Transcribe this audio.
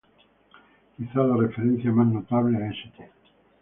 Quizás la referencia más notable a St.